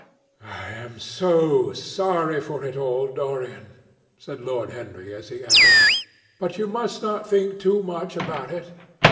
"I am so sorry for it all, Dorian," said Lord Henry as he entered. "But you must not think too much about it."